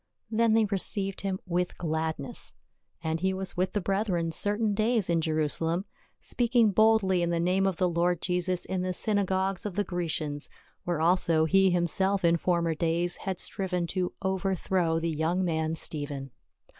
Then they received him with gladness. And he was with the brethren certain days in Jerusalem, speaking boldly in the name of the Lord Jesus in the synagogues of the Grecians, where also he himself in former days had striven to over throw the young man Stephen.